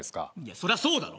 そりゃそうだろ。